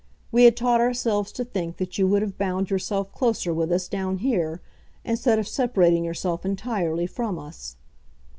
We had taught ourselves to think that you would have bound yourself closer with us down here, instead of separating yourself entirely from us.